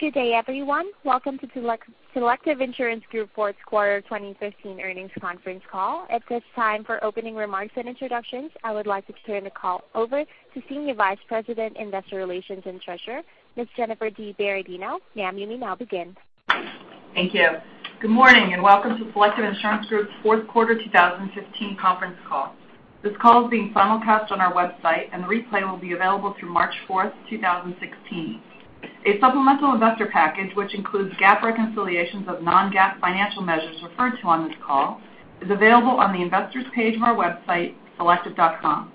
Good day, everyone. Welcome to Selective Insurance Group fourth quarter 2015 earnings conference call. At this time, for opening remarks and introductions, I would like to turn the call over to Senior Vice President, Investor Relations and Treasurer, Ms. Jennifer DiBerardino. Ma'am, you may now begin. Thank you. Good morning. Welcome to Selective Insurance Group's fourth quarter 2015 conference call. This call is being simulcast on our website, and the replay will be available through March fourth, 2016. A supplemental investor package, which includes GAAP reconciliations of non-GAAP financial measures referred to on this call, is available on the investors page of our website, selective.com.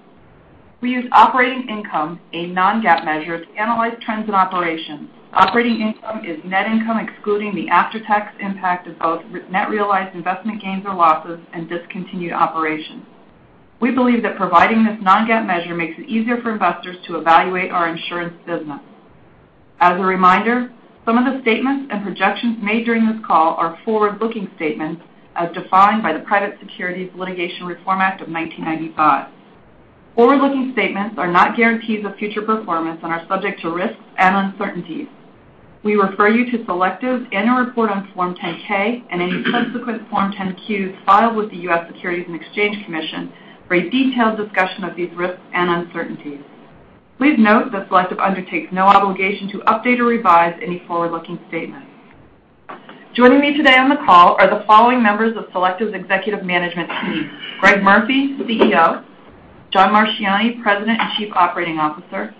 We use operating income, a non-GAAP measure, to analyze trends in operations. Operating income is net income excluding the after-tax impact of both net realized investment gains or losses and discontinued operations. We believe that providing this non-GAAP measure makes it easier for investors to evaluate our insurance business. As a reminder, some of the statements and projections made during this call are forward-looking statements as defined by the Private Securities Litigation Reform Act of 1995. Forward-looking statements are not guarantees of future performance and are subject to risks and uncertainties. We refer you to Selective in a report on Form 10-K and any subsequent Form 10-Qs filed with the U.S. Securities and Exchange Commission for a detailed discussion of these risks and uncertainties. Please note that Selective undertakes no obligation to update or revise any forward-looking statements. Joining me today on the call are the following members of Selective's executive management team: Greg Murphy, CEO; John Marchioni, President and Chief Operating Officer;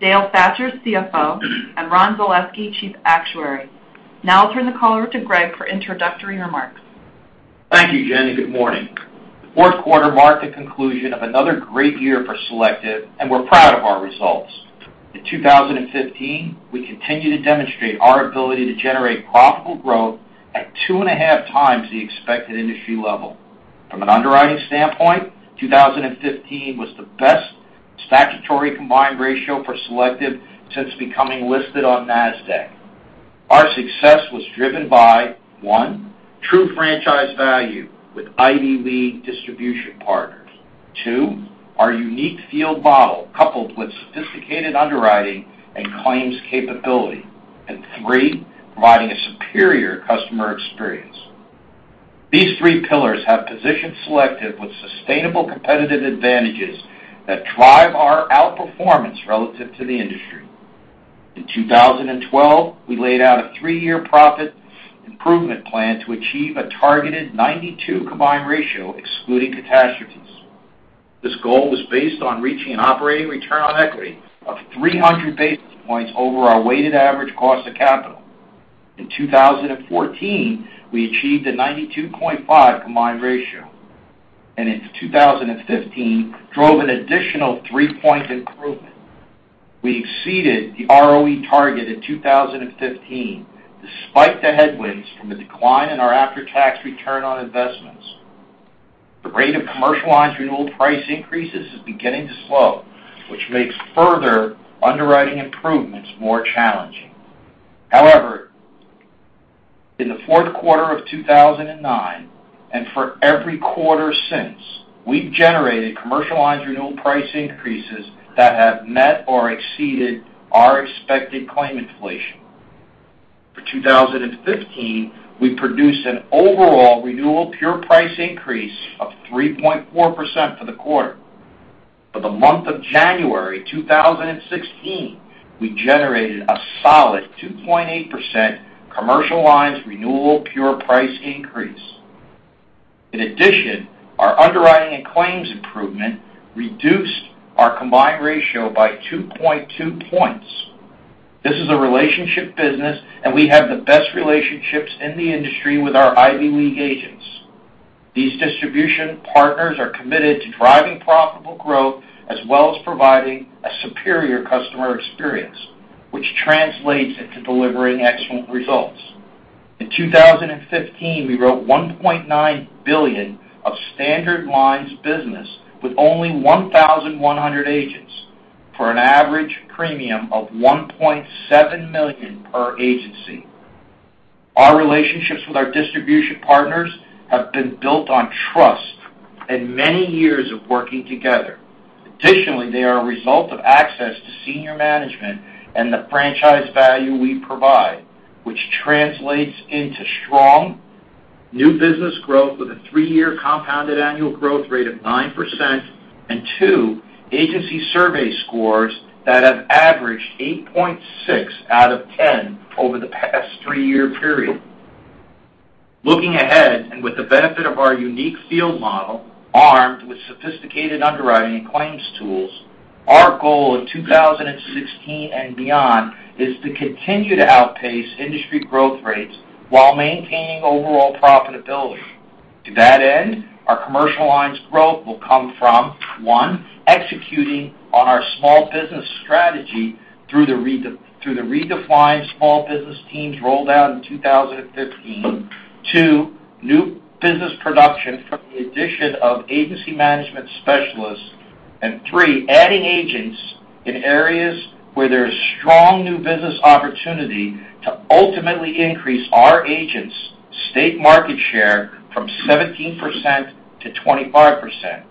Dale Thatcher, CFO; and Ron Zaleski, Chief Actuary. I'll turn the call over to Greg for introductory remarks. Thank you, Jenny. Good morning. The fourth quarter marked the conclusion of another great year for Selective. We're proud of our results. In 2015, we continued to demonstrate our ability to generate profitable growth at two and a half times the expected industry level. From an underwriting standpoint, 2015 was the best statutory combined ratio for Selective since becoming listed on Nasdaq. Our success was driven by, one, true franchise value with Ivy League distribution partners. Two, our unique field model, coupled with sophisticated underwriting and claims capability. Three, providing a superior customer experience. These three pillars have positioned Selective with sustainable competitive advantages that drive our outperformance relative to the industry. In 2012, we laid out a three-year profit improvement plan to achieve a targeted 92 combined ratio excluding catastrophes. This goal was based on reaching an operating return on equity of 300 basis points over our weighted average cost of capital. In 2014, we achieved a 92.5 combined ratio, and in 2015 drove an additional three-point improvement. We exceeded the ROE target in 2015 despite the headwinds from the decline in our after-tax return on investments. The rate of commercial lines renewal price increases is beginning to slow, which makes further underwriting improvements more challenging. However, in the fourth quarter of 2009, and for every quarter since, we've generated commercial lines renewal price increases that have met or exceeded our expected claim inflation. For 2015, we produced an overall renewal pure price increase of 3.4% for the quarter. For the month of January 2016, we generated a solid 2.8% commercial lines renewal pure price increase. In addition, our underwriting and claims improvement reduced our combined ratio by 2.2 points. This is a relationship business, and we have the best relationships in the industry with our Ivy League agents. These distribution partners are committed to driving profitable growth as well as providing a superior customer experience, which translates into delivering excellent results. In 2015, we wrote $1.9 billion of standard lines business with only 1,100 agents for an average premium of $1.7 million per agency. Our relationships with our distribution partners have been built on trust and many years of working together. Additionally, they are a result of access to senior management and the franchise value we provide, which translates into strong new business growth with a three-year compounded annual growth rate of 9%, and two, agency survey scores that have averaged 8.6 out of 10 over the past three-year period. Looking ahead, and with the benefit of our unique field model, armed with sophisticated underwriting and claims tools, our goal in 2016 and beyond is to continue to outpace industry growth rates while maintaining overall profitability. To that end, our commercial lines growth will come from, one, executing on our small business strategy through the redefined small business teams rolled out in 2015. Two, new business production from the addition of Agency Management Specialists. And three, adding agents in areas where there is strong new business opportunity to ultimately increase our agents' state market share from 17% to 25%.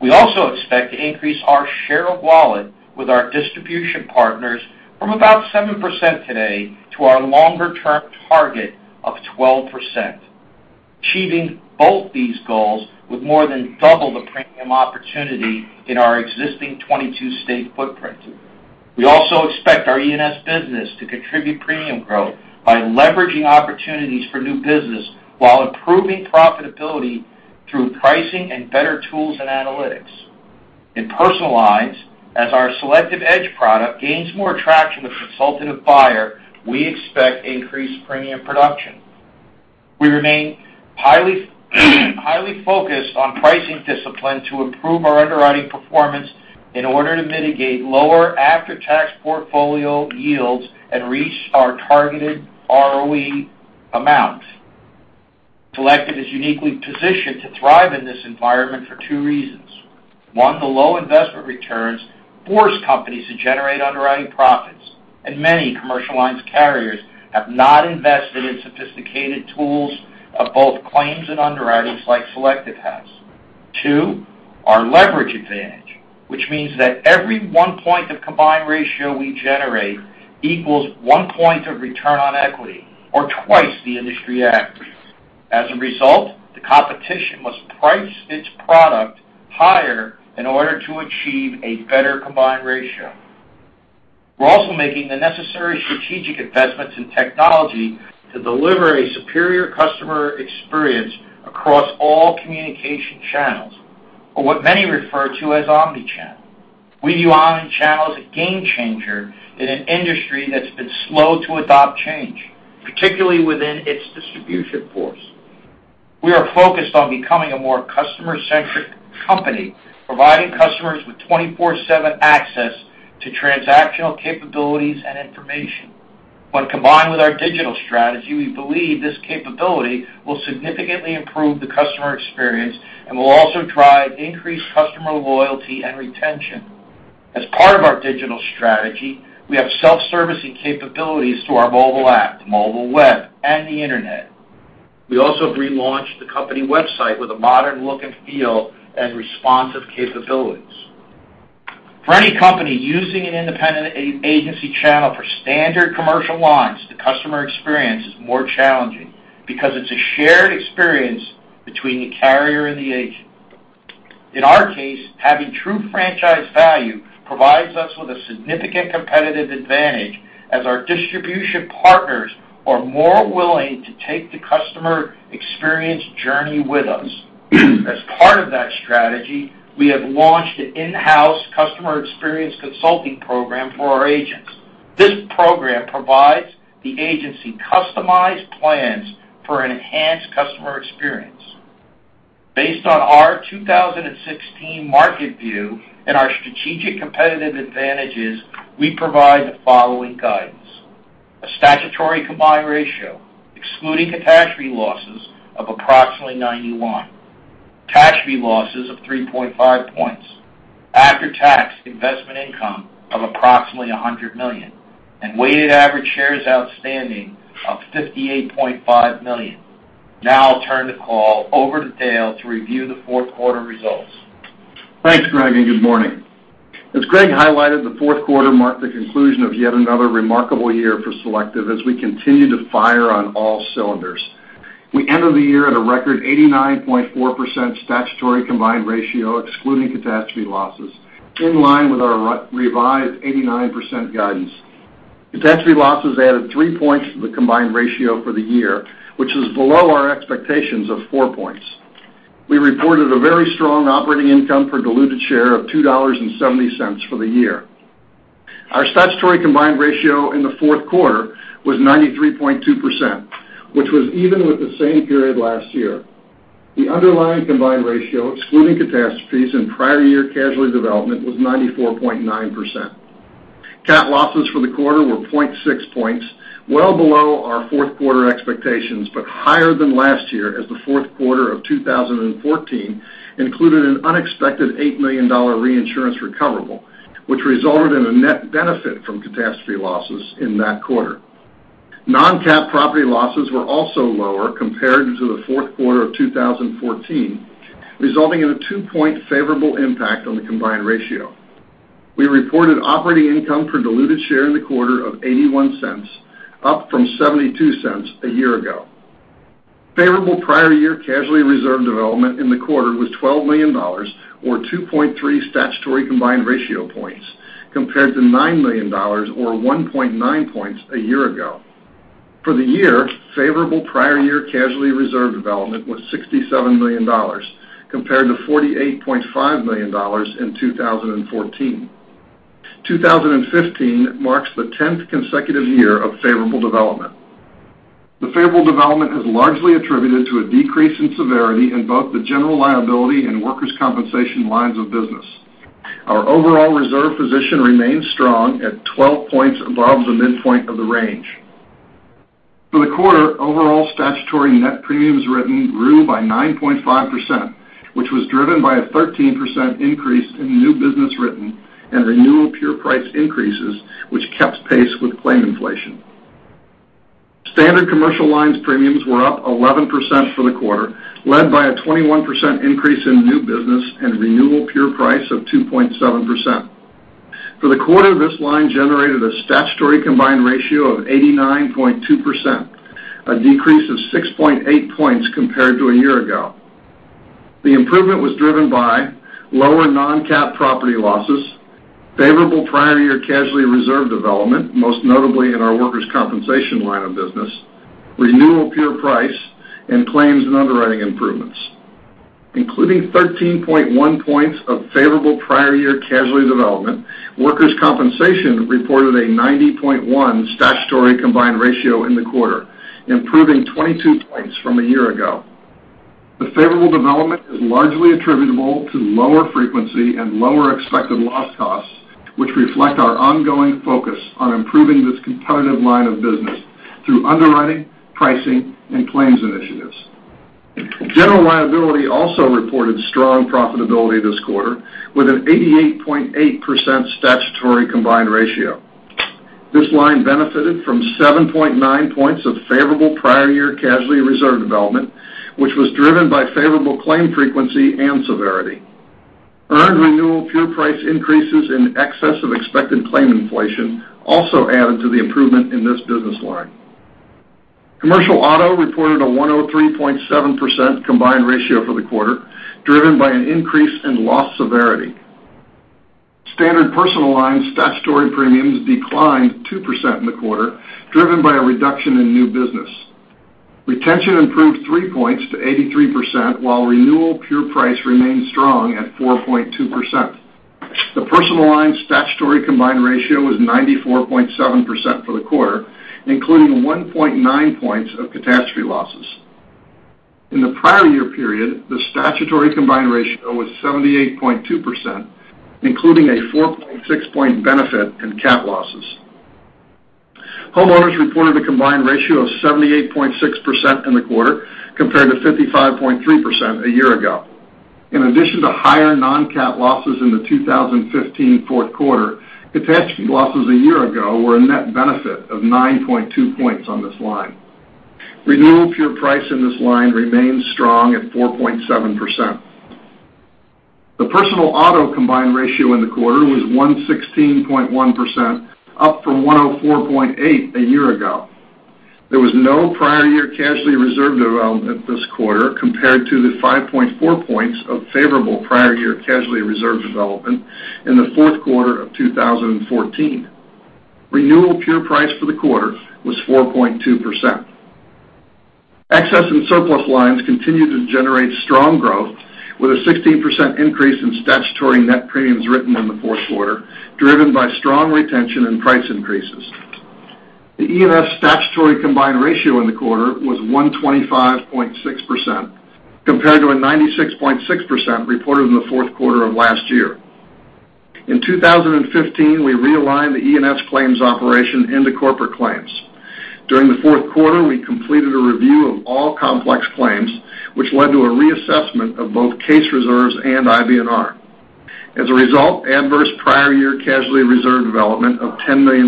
We also expect to increase our share of wallet with our distribution partners from about 7% today to our longer-term target of 12%, achieving both these goals with more than double the premium opportunity in our existing 22-state footprint. We also expect our E&S business to contribute premium growth by leveraging opportunities for new business while improving profitability through pricing and better tools and analytics. In Personal Lines, as our Selective Edge product gains more traction with the consultant buyer, we expect increased premium production. We remain highly focused on pricing discipline to improve our underwriting performance in order to mitigate lower after-tax portfolio yields and reach our targeted ROE amount. Selective is uniquely positioned to thrive in this environment for two reasons. One, the low investment returns force companies to generate underwriting profits, and many commercial lines carriers have not invested in sophisticated tools of both claims and underwriting like Selective has. Two, our leverage advantage, which means that every one point of combined ratio we generate equals one point of return on equity, or twice the industry average. As a result, the competition must price its product higher in order to achieve a better combined ratio. We're also making the necessary strategic investments in technology to deliver a superior customer experience across all communication channels, or what many refer to as omnichannel. We view omnichannel as a game changer in an industry that's been slow to adopt change, particularly within its distribution force. We are focused on becoming a more customer-centric company, providing customers with 24/7 access to transactional capabilities and information. When combined with our digital strategy, we believe this capability will significantly improve the customer experience and will also drive increased customer loyalty and retention. As part of our digital strategy, we have self-servicing capabilities through our mobile app, mobile web, and the internet. We also relaunched the company website with a modern look and feel and responsive capabilities. For any company using an independent agency channel for standard commercial lines, the customer experience is more challenging because it's a shared experience between the carrier and the agent. In our case, having true franchise value provides us with a significant competitive advantage as our distribution partners are more willing to take the customer experience journey with us. As part of that strategy, we have launched an in-house customer experience consulting program for our agents. This program provides the agency customized plans for an enhanced customer experience. Based on our 2016 market view and our strategic competitive advantages, we provide the following guidance. A statutory combined ratio, excluding catastrophe losses of approximately 91, catastrophe losses of 3.5 points, after-tax investment income of approximately $100 million, and weighted average shares outstanding of 58.5 million. Now I'll turn the call over to Dale to review the fourth quarter results. Thanks, Greg, and good morning. As Greg highlighted, the fourth quarter marked the conclusion of yet another remarkable year for Selective as we continue to fire on all cylinders. We ended the year at a record 89.4% statutory combined ratio, excluding catastrophe losses, in line with our revised 89% guidance. Catastrophe losses added three points to the combined ratio for the year, which is below our expectations of four points. We reported a very strong operating income per diluted share of $2.70 for the year. Our statutory combined ratio in the fourth quarter was 93.2%, which was even with the same period last year. The underlying combined ratio, excluding catastrophes and prior year casualty development, was 94.9%. Cat losses for the quarter were 0.6 points, well below our fourth quarter expectations, but higher than last year as the fourth quarter of 2014 included an unexpected $8 million reinsurance recoverable, which resulted in a net benefit from catastrophe losses in that quarter. Non-cat property losses were also lower compared to the fourth quarter of 2014, resulting in a two-point favorable impact on the combined ratio. We reported operating income per diluted share in the quarter of $0.81, up from $0.72 a year ago. Favorable prior year casualty reserve development in the quarter was $12 million, or 2.3 statutory combined ratio points, compared to $9 million or 1.9 points a year ago. For the year, favorable prior year casualty reserve development was $67 million compared to $48.5 million in 2014. 2015 marks the 10th consecutive year of favorable development. The favorable development is largely attributed to a decrease in severity in both the General Liability and Workers' Compensation lines of business. Our overall reserve position remains strong at 12 points above the midpoint of the range. For the quarter, overall statutory net premiums written grew by 9.5%, which was driven by a 13% increase in new business written and renewal pure price increases, which kept pace with claim inflation. Standard Commercial Lines premiums were up 11% for the quarter, led by a 21% increase in new business and renewal pure price of 2.7%. For the quarter, this line generated a statutory combined ratio of 89.2%, a decrease of 6.8 points compared to a year ago. The improvement was driven by lower non-cat property losses, favorable prior year casualty reserve development, most notably in our Workers' Compensation line of business, renewal pure price, and claims and underwriting improvements. Including 13.1 points of favorable prior year casualty development, Workers' Compensation reported a 90.1 statutory combined ratio in the quarter, improving 22 points from a year ago. The favorable development is largely attributable to lower frequency and lower expected loss costs, which reflect our ongoing focus on improving this competitive line of business through underwriting, pricing, and claims initiatives. General Liability also reported strong profitability this quarter with an 88.8% statutory combined ratio. This line benefited from 7.9 points of favorable prior year casualty reserve development, which was driven by favorable claim frequency and severity. Earned renewal pure price increases in excess of expected claim inflation also added to the improvement in this business line. Commercial Auto reported a 103.7% combined ratio for the quarter, driven by an increase in loss severity. Standard Personal Lines statutory premiums declined 2% in the quarter, driven by a reduction in new business. Retention improved 3 points to 83%, while renewal pure price remained strong at 4.2%. The Personal Lines statutory combined ratio was 94.7% for the quarter, including 1.9 points of catastrophe losses. In the prior year period, the statutory combined ratio was 78.2%, including a 4.6 point benefit in cat losses. Homeowners reported a combined ratio of 78.6% in the quarter, compared to 55.3% a year ago. In addition to higher non-cat losses in the 2015 fourth quarter, catastrophe losses a year ago were a net benefit of 9.2 points on this line. Renewal pure price in this line remains strong at 4.7%. The Personal auto combined ratio in the quarter was 116.1%, up from 104.8% a year ago. There was no prior year casualty reserve development this quarter compared to the 5.4 points of favorable prior year casualty reserve development in the fourth quarter of 2014. Renewal pure price for the quarter was 4.2%. Excess and Surplus Lines continue to generate strong growth with a 16% increase in statutory net premiums written in the fourth quarter, driven by strong retention and price increases. The E&S statutory combined ratio in the quarter was 125.6%, compared to a 96.6% reported in the fourth quarter of last year. In 2015, we realigned the E&S claims operation into corporate claims. During the fourth quarter, we completed a review of all complex claims, which led to a reassessment of both case reserves and IBNR. As a result, adverse prior year casualty reserve development of $10 million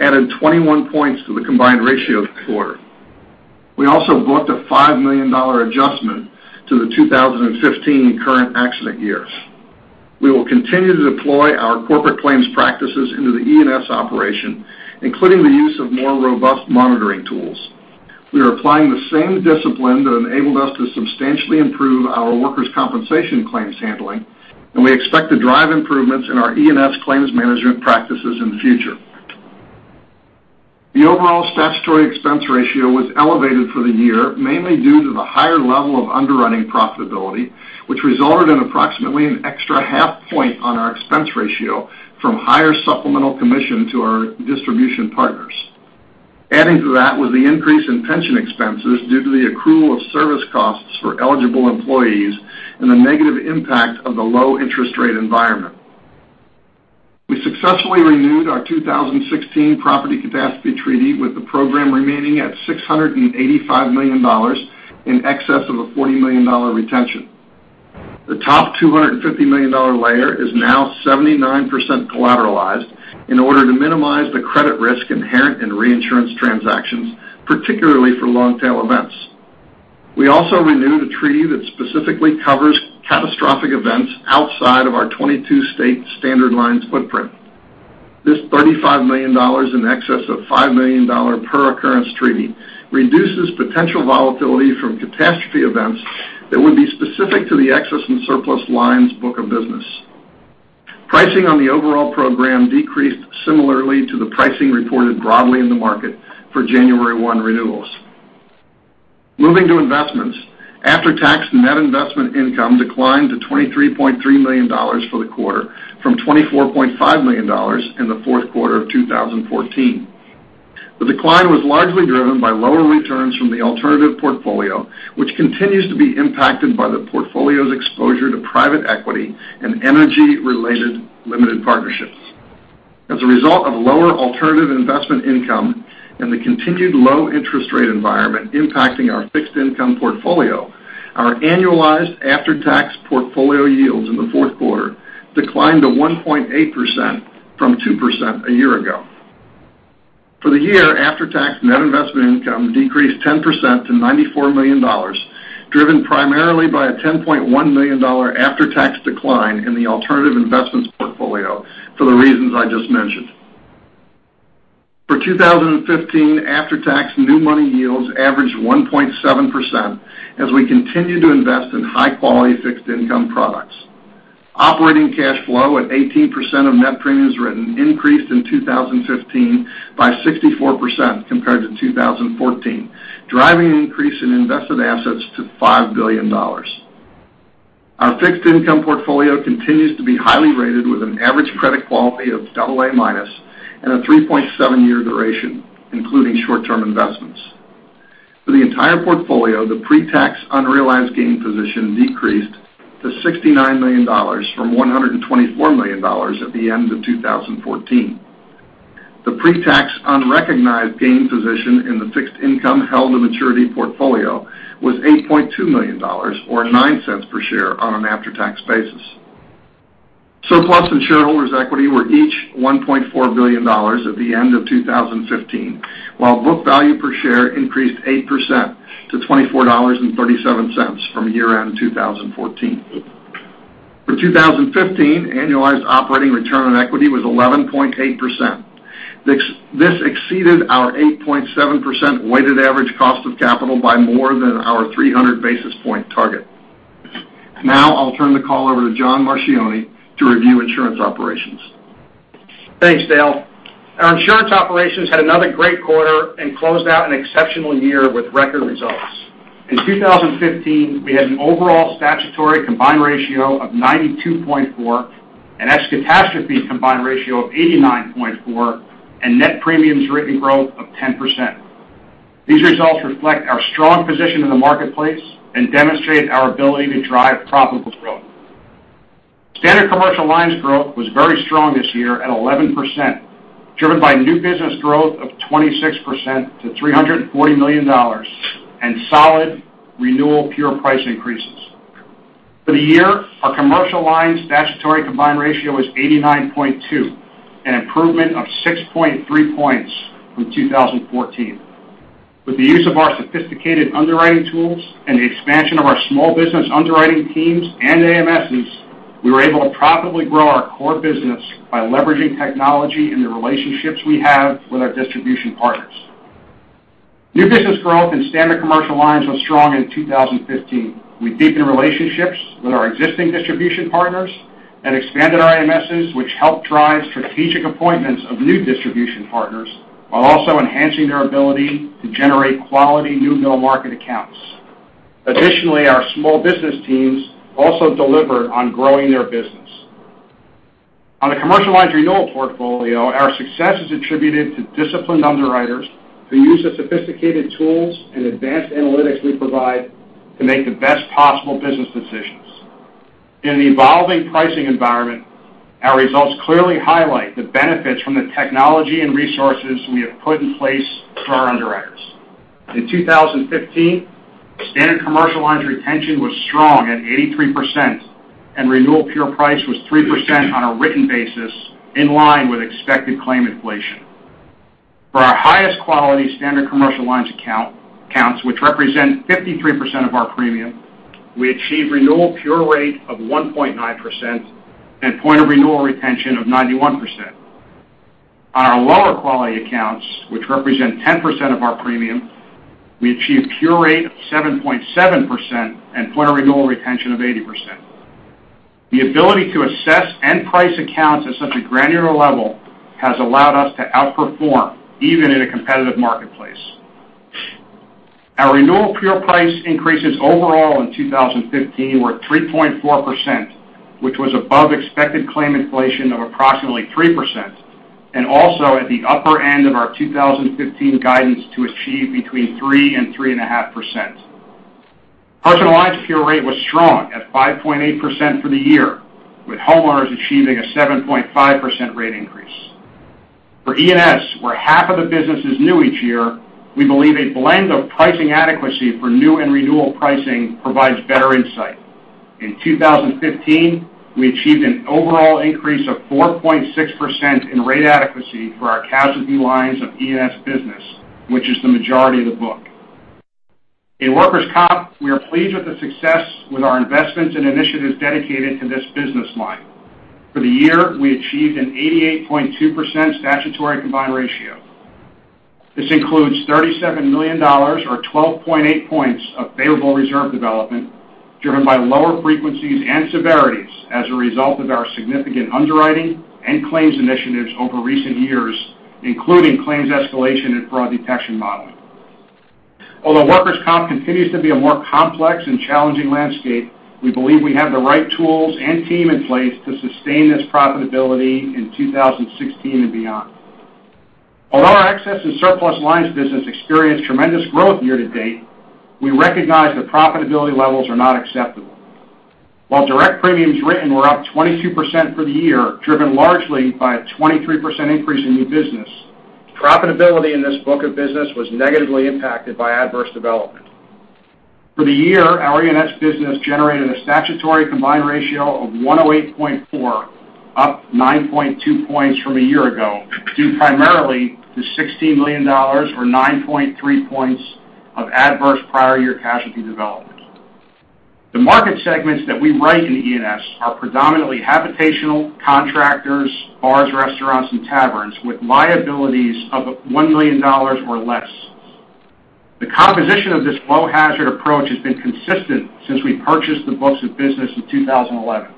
added 21 points to the combined ratio of the quarter. We also booked a $5 million adjustment to the 2015 current accident years. We will continue to deploy our corporate claims practices into the E&S operation, including the use of more robust monitoring tools. We are applying the same discipline that enabled us to substantially improve our Workers' Compensation claims handling. We expect to drive improvements in our E&S claims management practices in the future. The overall statutory expense ratio was elevated for the year, mainly due to the higher level of underwriting profitability, which resulted in approximately an extra half point on our expense ratio from higher supplemental commission to our distribution partners. Adding to that was the increase in pension expenses due to the accrual of service costs for eligible employees and the negative impact of the low interest rate environment. We successfully renewed our 2016 property catastrophe treaty with the program remaining at $685 million in excess of a $40 million retention. The top $250 million layer is now 79% collateralized in order to minimize the credit risk inherent in reinsurance transactions, particularly for long-tail events. We also renewed a treaty that specifically covers catastrophic events outside of our 22-state standard lines footprint. This $35 million in excess of $5 million per occurrence treaty reduces potential volatility from catastrophe events that would be specific to the Excess and Surplus Lines book of business. Pricing on the overall program decreased similarly to the pricing reported broadly in the market for January 1 renewals. Moving to investments. After-tax net investment income declined to $23.3 million for the quarter from $24.5 million in the fourth quarter of 2014. The decline was largely driven by lower returns from the alternative portfolio, which continues to be impacted by the portfolio's exposure to private equity and energy-related limited partnerships. As a result of lower alternative investment income and the continued low interest rate environment impacting our fixed income portfolio. Our annualized after-tax portfolio yields in the fourth quarter declined to 1.8% from 2% a year ago. For the year, after-tax net investment income decreased 10% to $94 million, driven primarily by a $10.1 million after-tax decline in the alternative investments portfolio for the reasons I just mentioned. For 2015, after-tax new money yields averaged 1.7% as we continued to invest in high-quality fixed income products. Operating cash flow at 18% of net premiums written increased in 2015 by 64% compared to 2014, driving an increase in invested assets to $5 billion. Our fixed income portfolio continues to be highly rated with an average credit quality of double A minus and a 3.7 year duration, including short-term investments. For the entire portfolio, the pre-tax unrealized gain position decreased to $69 million from $124 million at the end of 2014. The pre-tax unrecognized gain position in the fixed income held to maturity portfolio was $8.2 million, or $0.09 per share on an after-tax basis. Surplus and shareholders' equity were each $1.4 billion at the end of 2015, while book value per share increased 8% to $24.37 from year-end 2014. For 2015, annualized operating return on equity was 11.8%. This exceeded our 8.7% weighted average cost of capital by more than our 300 basis point target. Now I'll turn the call over to John Marchioni to review insurance operations. Thanks, Dale. Our insurance operations had another great quarter and closed out an exceptional year with record results. In 2015, we had an overall statutory combined ratio of 92.4, an ex catastrophe combined ratio of 89.4, and net premiums written growth of 10%. These results reflect our strong position in the marketplace and demonstrate our ability to drive profitable growth. Standard Commercial Lines growth was very strong this year at 11%, driven by new business growth of 26% to $340 million and solid renewal pure price increases. For the year, our Commercial Lines statutory combined ratio was 89.2, an improvement of 6.3 points from 2014. With the use of our sophisticated underwriting tools and the expansion of our small business underwriting teams and AMSs, we were able to profitably grow our core business by leveraging technology and the relationships we have with our distribution partners. New business growth in Standard Commercial Lines was strong in 2015. We deepened relationships with our existing distribution partners and expanded our AMSs, which helped drive strategic appointments of new distribution partners while also enhancing their ability to generate quality new middle market accounts. Our small business teams also delivered on growing their business. On the Commercial Lines renewal portfolio, our success is attributed to disciplined underwriters who use the sophisticated tools and advanced analytics we provide to make the best possible business decisions. In the evolving pricing environment, our results clearly highlight the benefits from the technology and resources we have put in place for our underwriters. In 2015, Standard Commercial Lines retention was strong at 83%, and renewal pure price was 3% on a written basis, in line with expected claim inflation. For our highest quality Standard Commercial Lines accounts, which represent 53% of our premium, we achieved renewal pure rate of 1.9% and point of renewal retention of 91%. On our lower quality accounts, which represent 10% of our premium, we achieved pure rate of 7.7% and point of renewal retention of 80%. The ability to assess and price accounts at such a granular level has allowed us to outperform even in a competitive marketplace. Our renewal pure price increases overall in 2015 were 3.4%, which was above expected claim inflation of approximately 3%, and also at the upper end of our 2015 guidance to achieve between 3% and 3.5%. Personal Lines pure rate was strong at 5.8% for the year, with homeowners achieving a 7.5% rate increase. For E&S, where half of the business is new each year, we believe a blend of pricing adequacy for new and renewal pricing provides better insight. In 2015, we achieved an overall increase of 4.6% in rate adequacy for our casualty lines of E&S business, which is the majority of the book. In Workers' Comp, we are pleased with the success with our investments and initiatives dedicated to this business line. For the year, we achieved an 88.2% statutory combined ratio. This includes $37 million, or 12.8 points of favorable reserve development, driven by lower frequencies and severities as a result of our significant underwriting and claims initiatives over recent years, including claims escalation and fraud detection modeling. Although Workers' Comp continues to be a more complex and challenging landscape, we believe we have the right tools and team in place to sustain this profitability in 2016 and beyond. Although our Excess and Surplus Lines business experienced tremendous growth year to date, we recognize that profitability levels are not acceptable. While direct premiums written were up 22% for the year, driven largely by a 23% increase in new business, profitability in this book of business was negatively impacted by adverse development. For the year, our E&S business generated a statutory combined ratio of 108.4, up 9.2 points from a year ago, due primarily to $16 million, or 9.3 points of adverse prior year casualty development. The market segments that we write in E&S are predominantly habitational contractors, bars, restaurants, and taverns with liabilities of $1 million or less. The composition of this low hazard approach has been consistent since we purchased the books of business in 2011.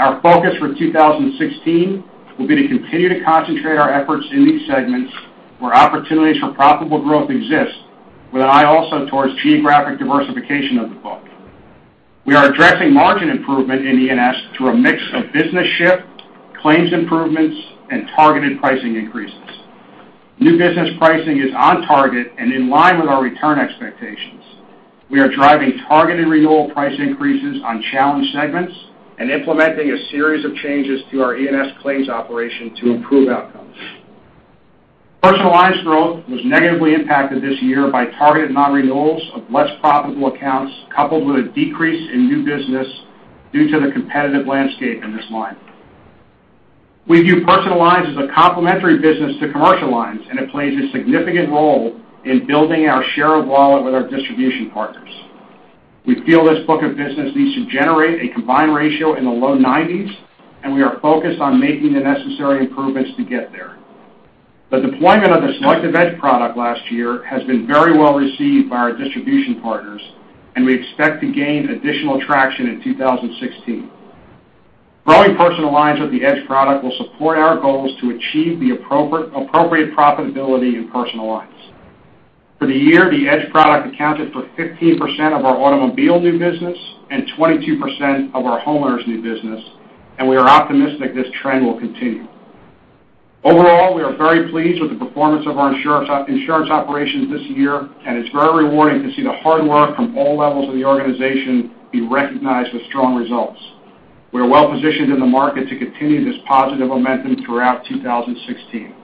Our focus for 2016 will be to continue to concentrate our efforts in these segments where opportunities for profitable growth exist, with an eye also towards geographic diversification of the book. We are addressing margin improvement in E&S through a mix of business shift, claims improvements, and targeted pricing increases. New business pricing is on target and in line with our return expectations. We are driving targeted renewal price increases on challenged segments and implementing a series of changes to our E&S claims operation to improve outcomes. Personal Lines growth was negatively impacted this year by targeted nonrenewals of less profitable accounts, coupled with a decrease in new business due to the competitive landscape in this line. We view Personal Lines as a complementary business to commercial lines, and it plays a significant role in building our share of wallet with our distribution partners. We feel this book of business needs to generate a combined ratio in the low nineties. We are focused on making the necessary improvements to get there. The deployment of the Selective Edge product last year has been very well received by our distribution partners. We expect to gain additional traction in 2016. Growing Personal Lines with the Edge product will support our goals to achieve the appropriate profitability in Personal Lines. For the year, the Edge product accounted for 15% of our automobile new business and 22% of our homeowners new business. We are optimistic this trend will continue. Overall, we are very pleased with the performance of our insurance operations this year. It's very rewarding to see the hard work from all levels of the organization be recognized with strong results. We are well-positioned in the market to continue this positive momentum throughout 2016.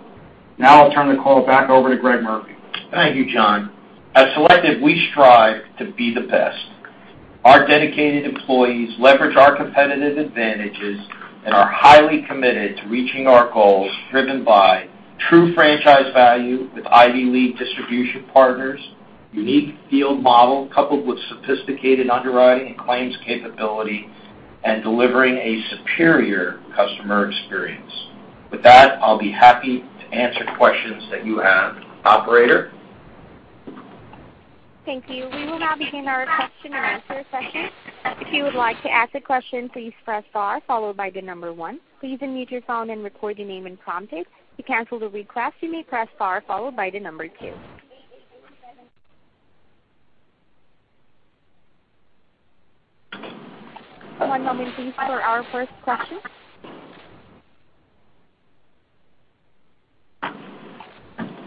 Now I'll turn the call back over to Greg Murphy. Thank you, John. At Selective, we strive to be the best. Our dedicated employees leverage our competitive advantages and are highly committed to reaching our goals driven by true franchise value with Ivy League distribution partners, unique field model coupled with sophisticated underwriting and claims capability, and delivering a superior customer experience. With that, I'll be happy to answer questions that you have. Operator? Thank you. We will now begin our question and answer session. If you would like to ask a question, please press star followed by the number one. Please unmute your phone and record your name when prompted. To cancel the request, you may press star followed by the number two. One moment please for our first question.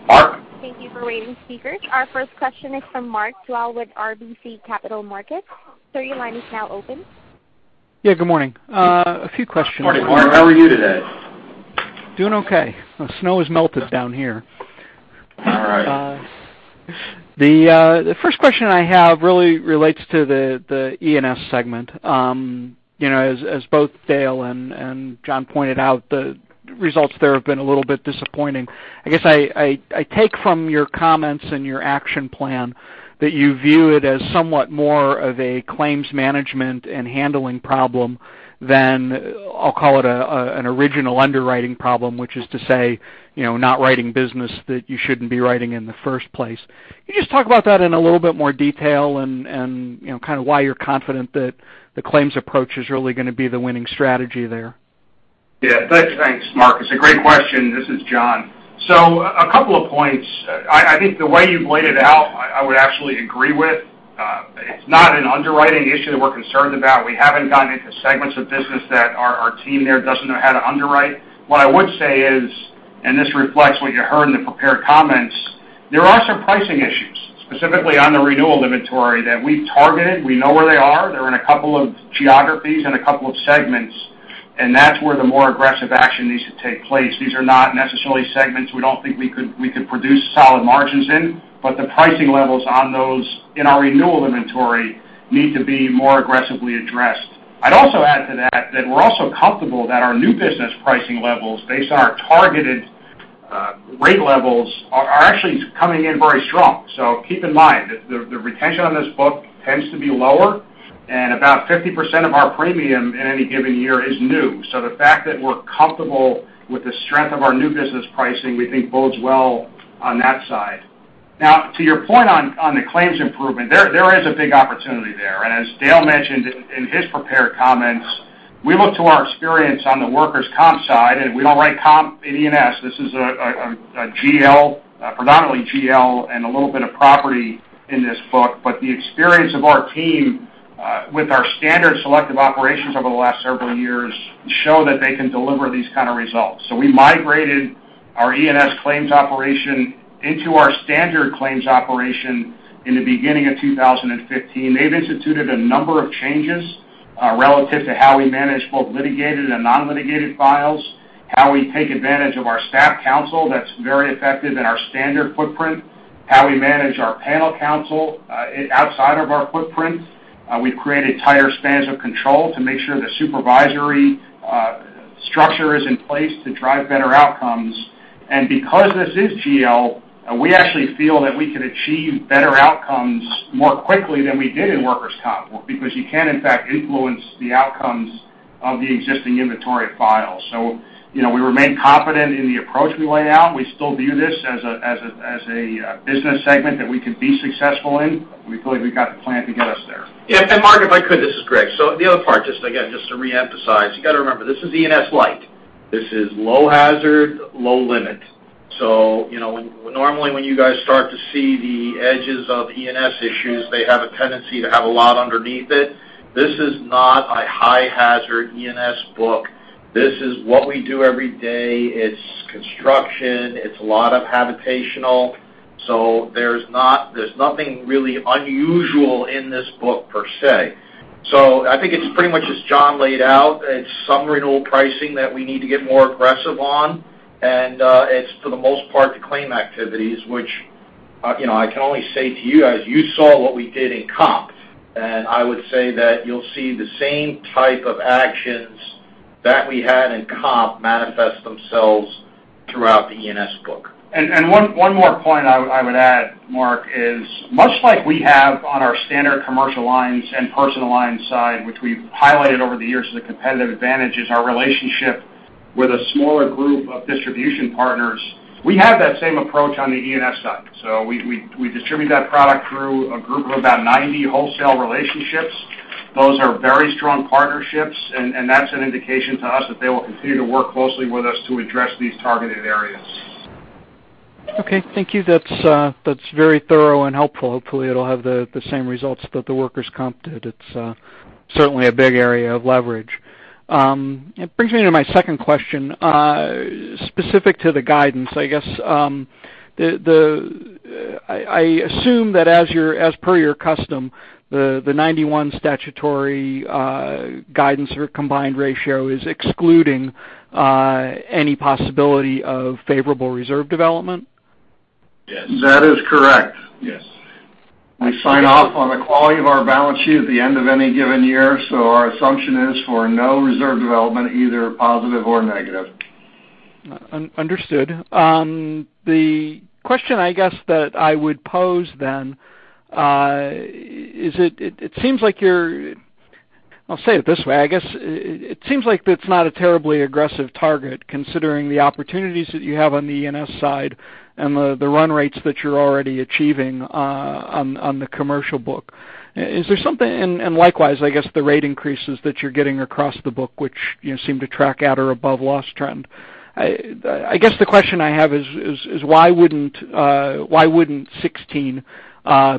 Mark. Thank you for waiting, speakers. Our first question is from Mark Dwelle with RBC Capital Markets. Sir, your line is now open. Yeah, good morning. A few questions. Morning, Mark. How are you today? Doing okay. The snow is melted down here. All right. The first question I have really relates to the E&S segment. As both Dale and John pointed out, the results there have been a little bit disappointing. I guess I take from your comments and your action plan that you view it as somewhat more of a claims management and handling problem than, I'll call it an original underwriting problem, which is to say, not writing business that you shouldn't be writing in the first place. Can you just talk about that in a little bit more detail and kind of why you're confident that the claims approach is really going to be the winning strategy there? Yeah, thanks, Mark. It's a great question. This is John. A couple of points. I think the way you've laid it out, I would absolutely agree with. It's not an underwriting issue that we're concerned about. We haven't gotten into segments of business that our team there doesn't know how to underwrite. What I would say is, and this reflects what you heard in the prepared comments, there are some pricing issues, specifically on the renewal inventory that we've targeted. We know where they are. They're in a couple of geographies and a couple of segments, and that's where the more aggressive action needs to take place. These are not necessarily segments we don't think we could produce solid margins in, but the pricing levels on those in our renewal inventory need to be more aggressively addressed. I'd also add to that we're also comfortable that our new business pricing levels based on our targeted rate levels are actually coming in very strong. Keep in mind that the retention on this book tends to be lower, and about 50% of our premium in any given year is new. The fact that we're comfortable with the strength of our new business pricing, we think bodes well on that side. Now, to your point on the claims improvement, there is a big opportunity there. As Dale mentioned in his prepared comments, we look to our experience on the workers' comp side, and we don't write comp in E&S. This is a predominantly GL and a little bit of property in this book, but the experience of our team with our standard Selective operations over the last several years show that they can deliver these kind of results. We migrated our E&S claims operation into our standard claims operation in the beginning of 2015. They've instituted a number of changes relative to how we manage both litigated and non-litigated files, how we take advantage of our staff counsel that's very effective in our standard footprint, how we manage our panel counsel outside of our footprint. We've created tighter spans of control to make sure the supervisory structure is in place to drive better outcomes. Because this is GL, we actually feel that we can achieve better outcomes more quickly than we did in workers' comp, because you can, in fact, influence the outcomes of the existing inventory files. We remain confident in the approach we laid out. We still view this as a business segment that we can be successful in. We believe we've got the plan to get us there. Yeah. Mark, if I could, this is Greg. The other part, just again, just to reemphasize, you got to remember, this is E&S light. This is low hazard, low limit. Normally when you guys start to see the edges of E&S issues, they have a tendency to have a lot underneath it. This is not a high hazard E&S book. This is what we do every day. It's construction. It's a lot of habitational. There's nothing really unusual in this book per se. I think it's pretty much as John laid out, it's some renewal pricing that we need to get more aggressive on, and it's for the most part the claim activities, which I can only say to you guys, you saw what we did in comp, and I would say that you'll see the same type of actions that we had in comp manifest themselves throughout the E&S book. One more point I would add, Mark, is much like we have on our Standard Commercial Lines and Personal Lines side, which we've highlighted over the years as a competitive advantage is our relationship with a smaller group of distribution partners. We have that same approach on the E&S side. We distribute that product through a group of about 90 wholesale relationships. Those are very strong partnerships, and that's an indication to us that they will continue to work closely with us to address these targeted areas. Okay, thank you. That's very thorough and helpful. Hopefully, it'll have the same results that the workers' comp did. It's certainly a big area of leverage. It brings me to my second question, specific to the guidance, I guess, I assume that as per your custom, the 91 statutory guidance or combined ratio is excluding any possibility of favorable reserve development. Yes. That is correct. Yes. We sign off on the quality of our balance sheet at the end of any given year, our assumption is for no reserve development, either positive or negative. Understood. The question I guess that I would pose then, it seems like I'll say it this way, I guess it seems like that's not a terribly aggressive target considering the opportunities that you have on the E&S side and the run rates that you're already achieving on the commercial book. Likewise, I guess the rate increases that you're getting across the book which seem to track at or above loss trend. I guess the question I have is why wouldn't 2016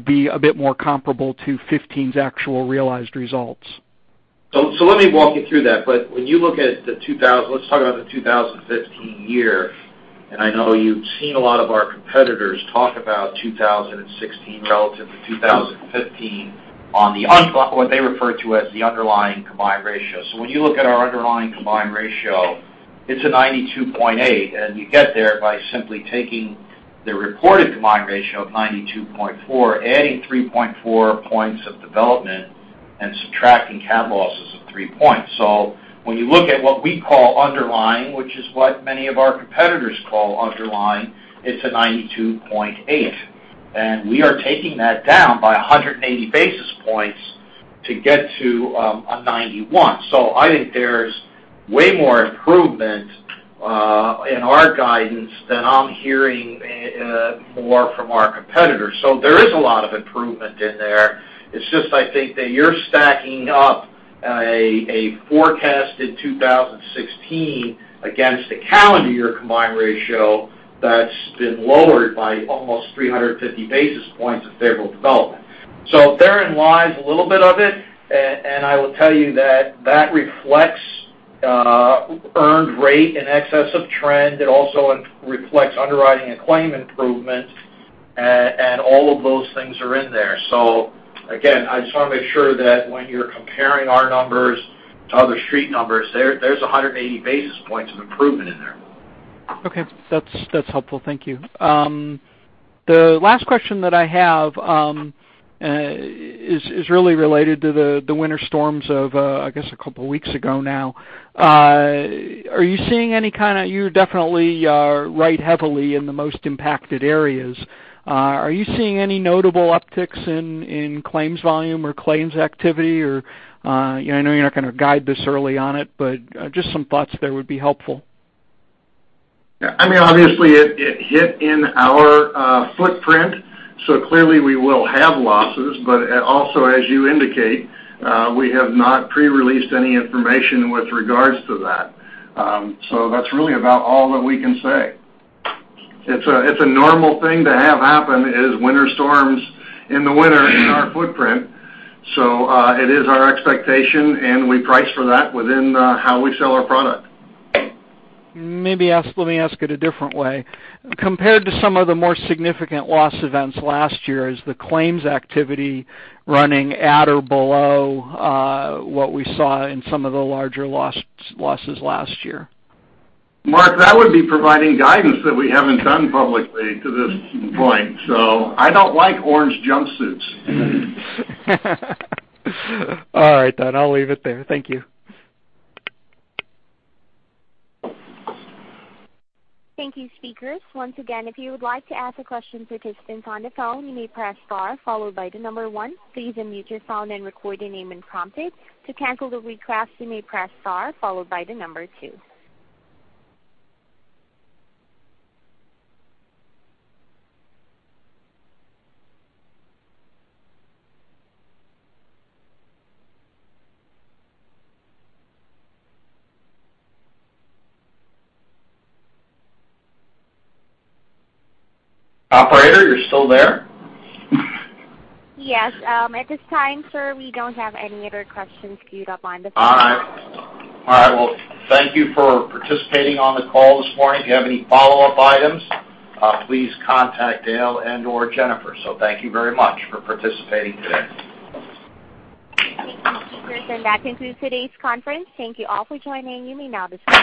be a bit more comparable to 2015's actual realized results? Let me walk you through that. Let's talk about the 2015 year, I know you've seen a lot of our competitors talk about 2016 relative to 2015 on what they refer to as the underlying combined ratio. When you look at our underlying combined ratio, it's a 92.8, you get there by simply taking the reported combined ratio of 92.4, adding 3.4 points of development and subtracting cat losses of three points. When you look at what we call underlying, which is what many of our competitors call underlying, it's a 92.8, we are taking that down by 180 basis points to get to a 91. I think there's way more improvement in our guidance than I'm hearing more from our competitors. There is a lot of improvement in there. It's just I think that you're stacking up a forecasted 2016 against a calendar year combined ratio that's been lowered by almost 350 basis points of favorable development. Therein lies a little bit of it, I will tell you that reflects earned rate in excess of trend. It also reflects underwriting and claim improvement, all of those things are in there. Again, I just want to make sure that when you're comparing our numbers to other street numbers there's 180 basis points of improvement in there. Okay. That's helpful. Thank you. The last question that I have is really related to the winter storms of, I guess a couple of weeks ago now. You definitely ride heavily in the most impacted areas. Are you seeing any notable upticks in claims volume or claims activity or, I know you're not going to guide this early on it, but just some thoughts there would be helpful. I mean, obviously it hit in our footprint, clearly we will have losses. Also as you indicate, we have not pre-released any information with regards to that. That's really about all that we can say. It's a normal thing to have happen is winter storms in the winter in our footprint. It is our expectation and we price for that within how we sell our product. Maybe let me ask it a different way. Compared to some of the more significant loss events last year, is the claims activity running at or below what we saw in some of the larger losses last year? Mark, that would be providing guidance that we haven't done publicly to this point. I don't like orange jumpsuits. All right then. I'll leave it there. Thank you. Thank you speakers. Once again, if you would like to ask a question, participants on the phone you may press star followed by the number one. Please unmute your phone and record your name when prompted. To cancel the request, you may press star followed by the number two. Operator, you're still there? Yes. At this time, sir, we don't have any other questions queued up on the phone. All right. Well, thank you for participating on the call this morning. If you have any follow-up items, please contact Dale and/or Jennifer. Thank you very much for participating today. Thank you speakers, and that concludes today's conference. Thank you all for joining. You may now disconnect.